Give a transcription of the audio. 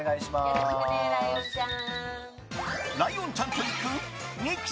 よろしくね、ライオンちゃん。